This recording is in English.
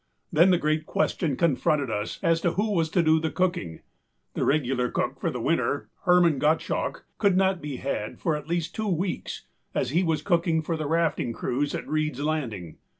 Then the great question confronted us as to who was to do the cooking. The regular cook for the winter, Herman Gottschalk, could not be had for at least two weeks, as he was cooking for the rafting crews at Reedâs Landing.